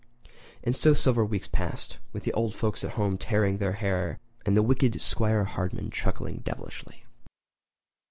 And so several weeks passed, with the old folks at home tearing their hair and the wicked 'Squire Hardman chuckling devilishly.